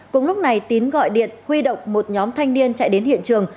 cùng lúc này tín gọi điện huy động một nhóm thanh niên chạy đến hiện trường